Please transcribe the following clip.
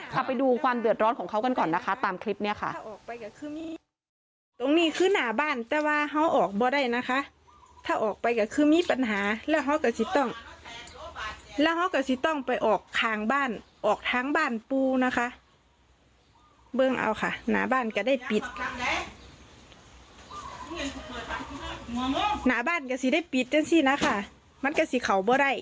เอาไปดูความเดือดร้อนของเขากันก่อนนะคะตามคลิปนี้ค่ะ